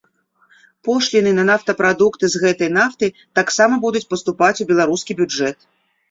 Пошліны на нафтапрадукты з гэтай нафты таксама будуць паступаць у беларускі бюджэт.